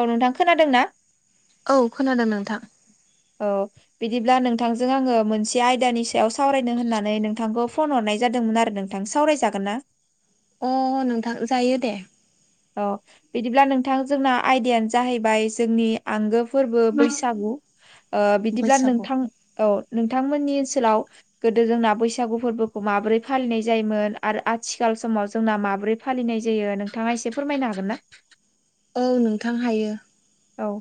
औ नोंथां खोनादों ना? औ खोनादों नोंथां। औ बिदिब्ला नोंथांजों आङो मोनसे आयदानि सायाव सावरायनो होननानै नोंथांखौ फन हरनाय जादोंमोन आरो नोंथां। सावरायजागोन ना? अ नोंथां जायो दे। औ। बिदिब्ला नोंथां जोंना आयदायानो जाहैबाय जोंनि आंगो फोरबो बैसागु। ओ बिदिब्ला बैसागु नोंथां औ नोंथांमोननि ओनसोलाव गोदो जोंना बैसागु फोरबोखौ माबोरै फालिनाय जायोमोन आरो आथिखाल समाव जोंना माबोरै फालिनाय जायो नोंथाङा एसे फोरमायनो हागोन ना? औ नोंथां हायो। औ।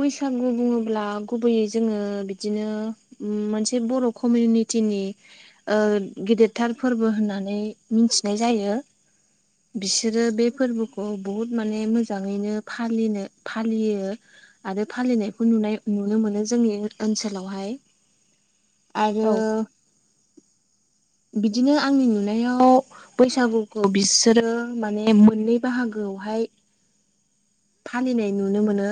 बैसागु बुङोब्ला गुबैयै जोङो बिदिनो ओम मोनसे बर' कमिउनिटिनि ओ गिदिरथार फोरबो होननानै मिथिनाय जायो। बिसोरो बे फोरबोखौ बहुद माने मोजाङैनो फालिनो फालियो। आरो फालिनायखौ नुनाय नुनो मोनो जोंनि ओनसोलावहाय। आरो औ [inaudible] बिदिनो आंनि नुनायाव बैसागुखौ बिसोरो माने मोननै बाहागोआवहाय फालिनाय नुनो मोनो।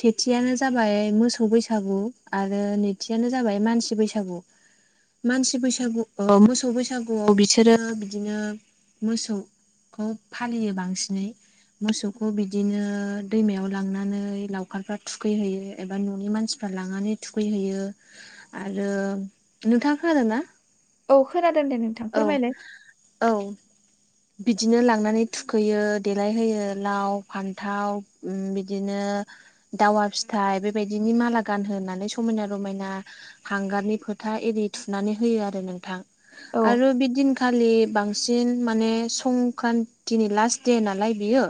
सेथिखनो जाबाय मोसौ बैसागु आरो नैथिआनो जाबाय मानसि बैसागु मानसि बैसागु मोसौ बैसागुआव बेसोरो बिदिनो मोसौ खौ फालियो बांसिनै मोसौखौ बिदिनो दैमायाव लांनानै लावखारफ्रा थुखैहैयो एबा न'नि मानसिफ्रा लांनानै थुखैहैयो आरो नुथांआ खोनादों ना औ खोनादों दे नोंथां औ फोरमायलाय औ बिदिनो लांनानै थुखैयो देलायहोयो लाव फान्थाव बिदिनो दावा फिथाइ बेबादिनि माला गानहोनानै समायना रमायना हांगारनि फोथा एरि थुनानै होयो आरो नोंथां औ आरो बेदिनखालि बांसिन माने संक्रान्तिनि लास्ट दे नालाय बेयो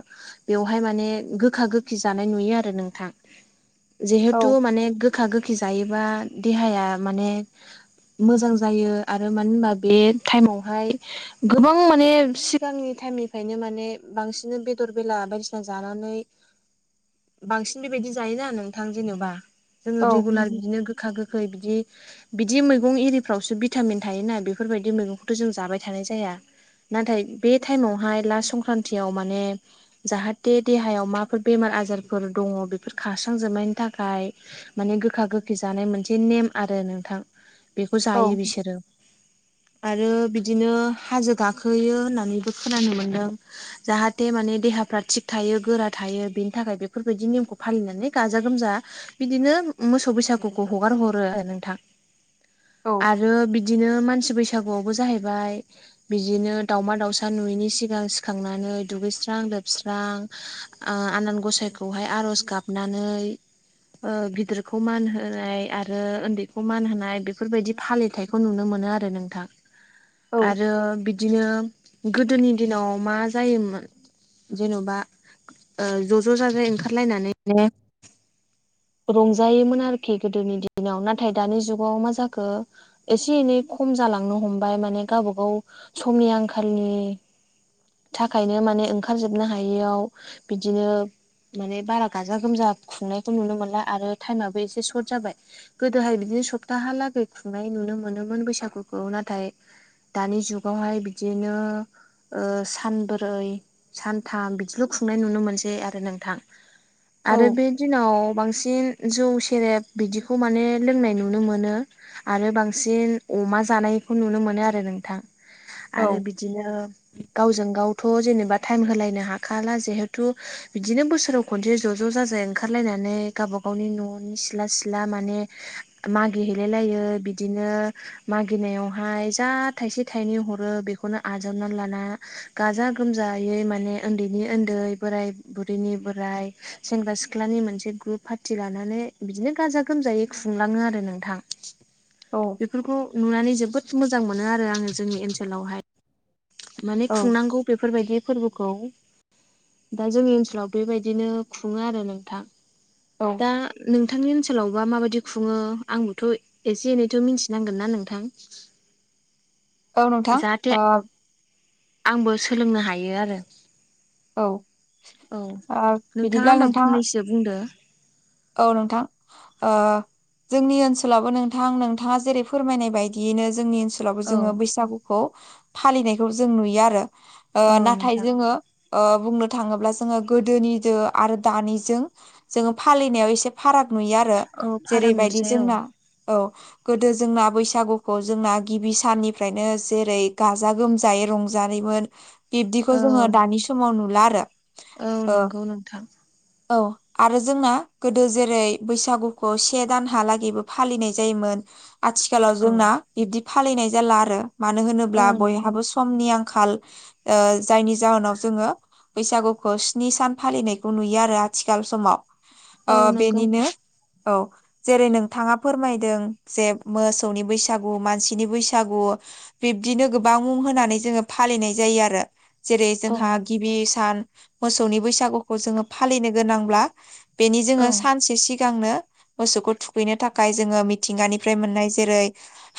बेवहाय माने गोखा गोखै जानाय नुयो आरो नोंथां औ जिहेथु माने गो गोखा गोखि जायोबा देहाया माने मोजां जायो आरो मानो होनबा बे टाइमावहाय गोबां माने सिगांनि टाइमनिफ्रायनो माने बांसिनै बेदर बेला बायदिसिना जानानै बांसिन बेबायदि जायोना नोंथां जेनोबा जोङो औ रेगुलार बिदिनो गोखा गोखै खै बिदि बिदि मैगं इरिफ्रावसो भिटामिन थायोना बेफोरबायदि मैगंखौथ' जों जाबाय थानाय जाया नाथाय बे टाइमावहाय लास संक्रान्तिआव माने जाहाथे देहायाव माबाफोर बेमार आजारफोर दङ बेफोर खारस्रांजोबनायनि थाखाय माने गोखा गोखै जानाय मोनसे नेम आरो नोंथां बेखौ औ जायो बिसोरो आरो बिदिनो हाजो गाखो हैयो होननानैबो खोनानो मोनदों जाहाथे माने देहाफ्रा थिग थायो गोरा थायो बिनि थाखाय बेफोरबादि नेमखौ फालिनानै गाजा गोमजा बिदिनो मोसौ ओ बैसागुखौ हगार हरो ओ नोंथां औ आरो बिदिनो मानसि बैसागुआवबो जाहैबाय बिदिनो दाउमा दाउसा नुयैनि सिगां सिखांनानै दुगैस्रां लोबस्रां ओ आनान गसाइखौहाय आर'ज गाबनानै ओ गिदिरखौ मान होनाय आरो उन्दैखौ मान होनाय बेफोरबायदि फालिथाइ नुनो मोनो नोंथां औ इदिनो गोदोनि दिनाव मा जायोमोन जेन'बा ओ ज' जाजाय ओंखारलायनानैनो रंजायोमोन आरोखि गोदोनि दिनाव नाथाय दानि जुगाव मा जाखो एसे एनै खम जालांनो ह'मबाय माने गावबागाव समनि आंखालनि थाखायनो माने ओंखारजोबनो हायैआव बिदिनो माने बारा गाजा गोमजा खुंनायखौ नुनो मोनला आरो टाइमाबो एसे सर्ट जाबाय गोदोहाय बिदिनो सप्ताहालागै खुंनाय नुनो मोनोमोन बैसागुखौ नाथाय दानि जुगावहाय बिदिनो ओ सानब्रै सानथाम बिदिल' खुंनाय नुनो मोनसै आरो नोंथां औ आरो बे दिनाव बांसिन जौ सेरेब बिदिखौ माने लोंनाय नुनो मोनो आरो बांसिन अमा जानायखौ नुनो मोनो आरो नोंथां औ आरो बिदिनो गावजों गावथ जेनोबा टाइम होलायनो हाखाला जिहेथु बिदिनो बोसोराव खन खनसे ज' जाजाय ओंखारलायनानै गावबा गावनि न'नि सिला सिला माने हो मागिहैलाय लायो बिदिनो मागिनायावहाय जा थाइसे थाइ थाइनै ह'रो बेखौनो आजावनानै लाना गाजा गोमजायै माने ओन्दैनि ओन्दै बोराइ बुरिनि बोराय सेंग्रा सिख्लानि मोनसे ग्रुप पार्टि लानानै बिदिनो गाजा गोमजायै खुंलांङो आरो नोंथां। औ बेफोरखौ नुनानै जोबोद मोजां मोनो आरो आंङो जोंनि ओनसोलावहाय माने औ खुंनांगौ बेफोर बायदि फोरबोखौ- दा जोंनि ओनसोलाव बेबायदिनो खुंङो आरो नोंथां। औ- दा नोंथांनि ओनसोलावबा माबायदि खुंङो आंबोथ एसे एनैथ मिथिनांगोन ना नोंथां। औ नोंथां जाहाथे ओ आंबो सोलोंनो हायो आरो औ औ ओ नोंथांङा बिदिब्ला होमबा नोंथाङा फंनैसो बुंदो? औ नोंथां। ओ जोंनि ओनसोलावबो नोंथां नोंथांङा जेरै फोरमायनाय बायदियैनो जोंनि ओनसो स्कुलावबो औ जोंङो बैसागुखौ फालिनायखौ जों नुयो आरो ओ औ नाथाय नोंथां जोंङो ओ बुंनो थांङोब्ला जोंङो गोदोनि आरो दानिजों जोंङो- फालिनायाव एसे फाराग नुयो आरो औ फाराग जेरैबायदि नुसै औ जोंना औ गोदो जोंना बैसागुखौ जोंना गिबि साननिफ्रायनो जेरै गाजा गोमजायै रंज जारिमिन बिब्दिखौ औ जोंङो दानि समाव नुला आरो। औ ओ नोंगौ नोंथां। औ आरो जोंना गोदो जेरै बैसागुखौ से दानहालागैबो फालिनाय जायोमोन। आथिखालाव औ जोंना बिबदि फालिनाय जाला आरो मानो औ होनोब्ला नंगौ बयहाबो समनि आंखाल ओ जायनि जाहोनाव जोंङो बैसागुखौ स्नि सान फालिनायखौ नुयो आरो आथिखाल समाव। ओ औ नंगौ बेनिनो औव जेरै नोंथांङा फोरमायदों जे मोसौनि बैसागु मानसिनि बैसागु बिब्दिनो गोबां मुं होनानै जोंङो फालिनाय जायो आरो। जेरै औ जोंहा गिबि सान मोसौनि बैसागुखौ जोंङो फालिनो जायोब्ला बेनि औ जोंङो सानसे सिगांनो मोसौखौ थुखैनो थाखाय जोंङो मिथिंगानिफ्राय मोननाय जेरै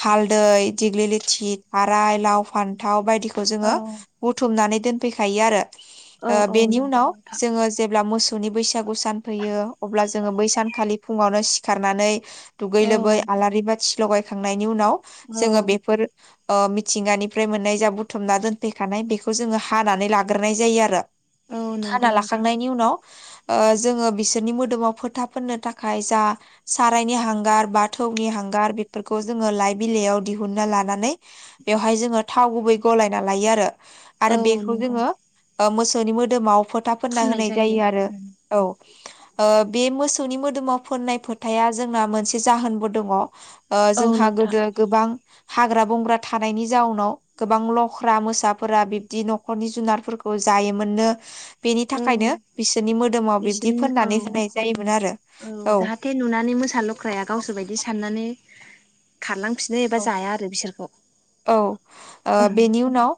हालदै दिग्लि लिथि थाराय लाव फान्थाव बायदि औ बोजोंङो बुथुमनानै दोनफैखायो आरो औ ओ बेनि‌ नंगौ उनाव नोंथां जोंङो जेब्ला मोसौव सौनि बैसागु सान फैयो अब्ला जोंङो बै सानखालि फुंङावनो सिखारनानै दुगै औ लोबै आलारि बाथि लगाय खांनायनि उनाव औ जोंङो बेफोर ओ मिथिंगानिफ्राय मोननाय जा बुथुमना दोनफैखानाय बेखौ जोंङो हानानै लागोरनाय जायो आरो। औ खाना नंगौ नोंथां लाखांनायनि उनाव ओ जोंङो बिसोरनि मोदोमाव फोथा फोननो थाखाय जा सारायनि हांगार बाथौनि हांगार बेफोरखौ जोंङो लाइ बिलाइयाव दिहुनन्ना लानानै बेवहाय जोंङो थाव गुबै गलायना लायो आरो औ आरो बेखौ नंगौ जोंङो ओ मोसौवनि मोदोमाव फोथा फोनना होनाय जायो आरो। औव ओ बे मोसौनि मोदोमाव फोननाय फोथाया जोंना मोनसे जाहोनबो दंङ ओ औ जोंहा नोंथां गोदो गोबां हाग्रा बंग्रा थानायनि जाउनाव गोबां लख्रा मोसाफोरा बिब्दि नखरनि जुनारफोरखौ जायोमोननो बेनि औ थाखायनो बिसोरनि मोदोमाव बिब्दि बिसोरनो औ फोननानै होनाय जायोमोन आरो। औ जाहाथे नुनानै मोसा लख्राया गावसोर बायदि साननानै खारलांफिनो एबा औ जाया आरो बिसोरखौ औ बेनि उनाव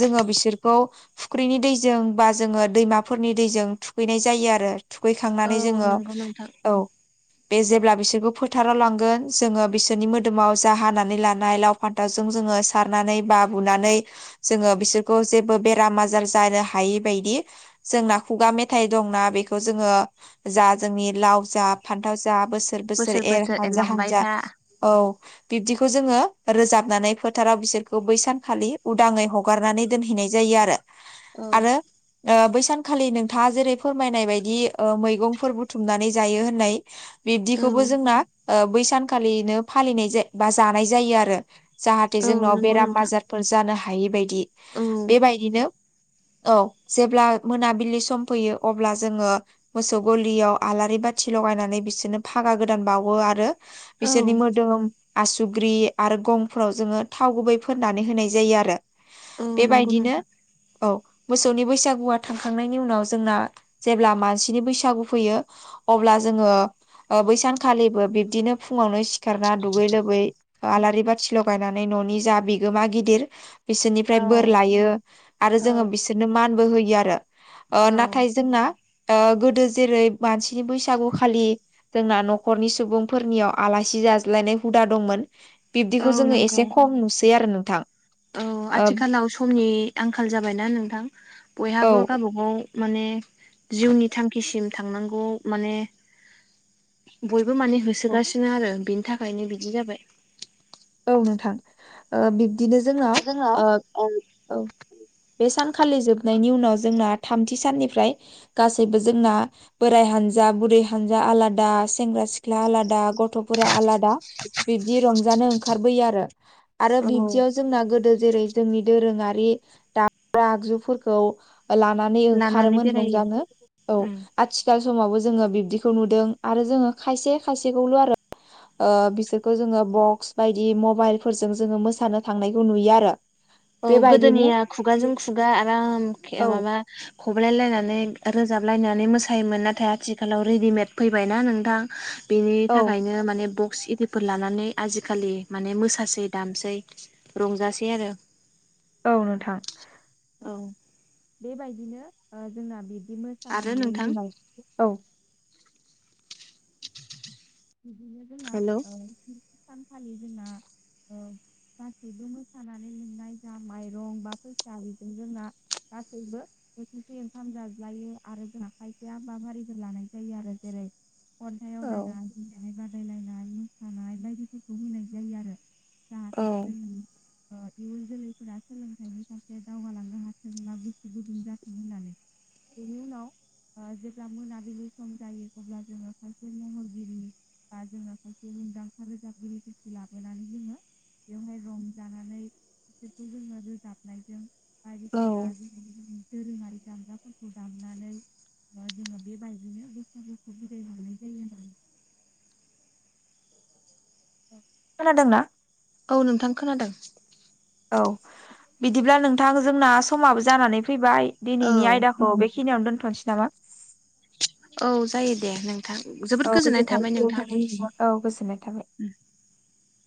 जोंङो बिसोरखौ फुख्रिनि दैजों बा जोंङो दैमाफोरनि दैजों थुखैयनाय जायो आरो। औ थुखैखांनानै जोंङो नंगौ नोंथां औ बे जेब्ला बिसोरखौ फोथाराव लांगोन जोंङो बिसोरनि मोदोमाव अजा हानानै लानाय लाव फान्थावजों जोंङो सारनानै बा बुनानै जोंङो बिसोरखौ जेबो बेराम आजार जानो हायि बायदि जोंना खुगा मेथाइ दंना बेखौ जोंङो जा जोंनि लाव जा फान्थाव जा बोसोर बोसोर एर हानजा हानजा औ बिब्दिखौ जोङो रोजाबनानै फोथाराव बिसोरखौ बै सानखालि उदाङै हगारनानै दोनहैनाय जायो आरो औ आरो बैसानखालि नोंथाङा जेरै फोरमायनाय बायदि मैगंफोर बुथुमनानै जायो होननाय औ बिब्दिखौबो जोंना बैसानखालिनो फालिनाय जा बा जानाय जायो आरो जाहाथे औ जोंनाव नंगौ बेराम नोंथां आजारफोर जानो हायि बायदि औ बेबायदिनो औ जेब्ला मोनाबिलि सम फैयो अब्ला जोङो मोसौ गलियाव आलारि बाथि लगायनानै बिसोरनो फागा गोदान बावो आरो औ बिसोरनि मोदोम आसुग्रि आरो गंफ्राव जोङो थाव गुबै फोननानै होनाय जायो आरो औ नंगौ बेबायदिनो नोंथां औ मोसौनि बैसागुआ थांखांनायनि उनाव जोंना जेब्ला मानसिनि बैसागु फैयो अब्ला जोङो बैसानखालिबो बिब्दिनो फुङावनो सिखारना दुगै लोबै आलारि बाथि लगायनानै न'नि जा बिगोमा गिदिर बिसोरनिफ्राय औ बोर लायो आरो औ जोङो बिसोरनो मानबो होयो आरो ओ औ नाथाय जोंना ओ गोदो जेरै मानसिनि बैसागु खालि जोंना न'खरनि सुबुंफोरनियाव आलासि जाज्लायनाय हुदा दंमोन औ बिब्दिखौ जोङो नंगौ एसे खम नुसै आरो नोंथां औ आथिखालाव समनि आंखाल जाबायना नोंथां औ बयहाबो गाबागाव माने जिउनि थांखिसिम थांनांगौ माने बयबो माने होसोगासिनो आरो बिनि थाखायनो बिदि जाबाय औ नोंथां ओ बिब्दिनो जोंनाव ओ औ बे सानखालि जोबनायनि उनाव जोंना थामथि साननिफ्राय गासैबो जोंना बोराय हानजा बुरै हानजा आलादा सेंग्रा सिख्ला आलादा गथ' फोरा आलादा बिबदि रंजानो ओंखारबोयो आरो आरो बिबदियाव जोंना गोदो जेरै जोंनि दोरोङारि दामग्रा आगजुफोरखौ लानानै लानानै ओंखारोमोन बेरायो रंजानो औ उम आथिखाल समावबो जोङो बिब्दिखौ नुदों आरो जोङो खायसे खायसेखौल' आरो ओ बिसोरखौ जोङो बक्स बायदि मबाइलफोरजों जोङो मोसानो थांनायखौ नुयो आरो औ बेबायदिनो गोदोनिया खुगाजों खुगा आराम औ माबा खब्लाय लायनानै रोजाबलायनानै मोसायोमोन नाथाय आथिखालाव रेडिमेड फैबायना नोंथां बेनि औ थाखायनो माने बक्स एदि फोर लानानै आजिखालि माने मोसासै दामसै रंजासै आरो औ नोंथां औ बेबायदिनो जोंना बिबदिनो आरो नोंथां औ [inaudible] हेलौ ओ सानखालि जोंना गासैबो मोसानानै मोननाय जा माइरं बा फैसा बेजों जोंना गासैबो बोथिसे ओंखाम जाज्लायो आरो जोंहा खायसे हाबाफारिफोर लानाय जायो आरो जेरै खन्थाइ औ आवराइनाइ [unintelligible] बादायलायनाय मोसानाय बायदिफोरखौ होनाय जायो आरो। जाहाथे जोंनि ओ इयुन जोलैफोरा सोलोंथाइनि फारसे दावगालांनो हाथोंब्ला गोसो गुदुं जाथों [unintelligible] बेनि उनाव ओ जेब्ला मोनाबिलि सम जायो अब्ला जोङो फारसे महरगिरि बा जोङो खायसे मुंदांखा रोजाबगिरिफोरखौ लाबोनानै जोङो बेवहाय रंजानानै बिसोरखौ जोङो रोजाबनायजों बायदिसिना औ दोरोङारि दामग्राफोरखौ दामनानै बा जोङो बे बायदिनो बैसागुखौ बिदाय हानाय जायो होननानै खोनादों ना? औ नोंथां खोनादों। औ बिदिब्ला नोंथां जोंना समाबो जानानै फैबाय औ दिनैनि आयदाखौ बे खिनियावनो दोनथ'नोसै नामा? औ जायो दे नोंथां जोबोद गोजोननाय थाबाय नोंथां। औ गोजोननाय थाबाय।